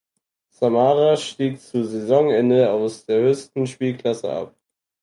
Samara stieg zu Saisonende aus der höchsten Spielklasse ab.